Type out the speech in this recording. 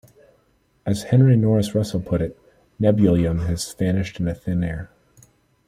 As Henry Norris Russell put it, Nebulium has vanished into thin air.